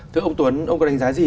thưa ông tuấn ông có đánh giá gì